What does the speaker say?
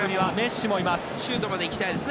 シュートまでいきたいですね